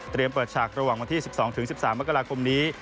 เปิดฉากระหว่างวันที่๑๒๑๓มกราคมนี้